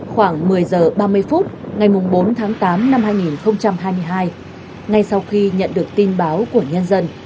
khoảng một mươi h ba mươi phút ngày bốn tháng tám năm hai nghìn hai mươi hai ngay sau khi nhận được tin báo của nhân dân